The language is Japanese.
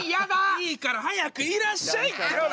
いいから早くいらっしゃいってほら！